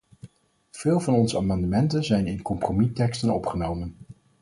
Veel van onze amendementen zijn in compromisteksten opgenomen.